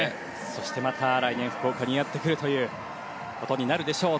そして、また来年福岡にやってくるということになるでしょう。